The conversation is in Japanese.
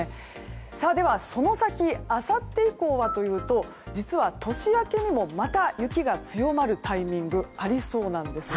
では、その先あさって以降はというと実は年明けにもまた雪が強まるタイミングがありそうなんです。